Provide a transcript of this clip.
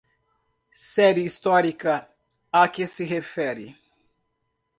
Série histórica a que se refere